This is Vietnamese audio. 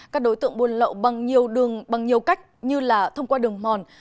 các đối tượng buôn lậu bằng nhiều đường bằng nhiều cách như là thông qua đường mòn